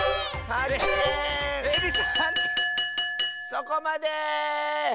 そこまで！